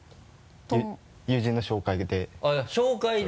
友人の紹介で。